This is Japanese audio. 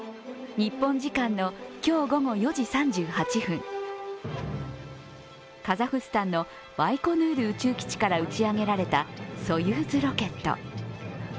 日本時間の今日午後４時３８分、カザフスタンのバイコヌール宇宙基地から打ち上げられたソユーズロケット。